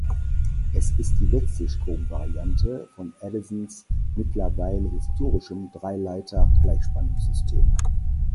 Es ist die Wechselstrom-Variante von Edisons mittlerweile historischem Dreileiter-Gleichspannungs-System.